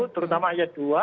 terutama ayat dua